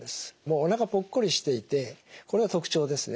おなかぽっこりしていてこれが特徴ですね。